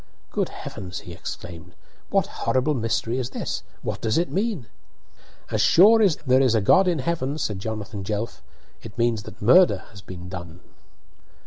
"Good heavens!" he exclaimed, "what horrible mystery is this? What does it mean?" "As sure as there is a God in heaven," said Jonathan Jelf, "it means that murder has been done."